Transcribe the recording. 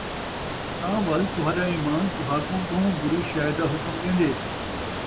تاں وَل تُہاݙا اِیمان تُہاکوں ٻَہوں بُری شَئے دا حکم ݙیندے ۔